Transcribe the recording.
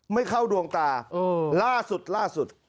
ไม่เข้าดวงตาล่าสุด